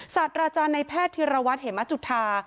ศาสตราจารย์ในแพทย์ธิรวัตรเหมจุธา